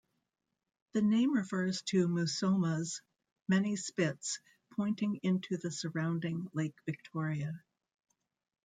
The name refers to Musoma's many spits pointing into the surrounding Lake Victoria.